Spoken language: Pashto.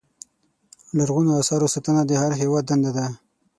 لرغونو اثارو ساتنه د هر هېوادوال دنده ده.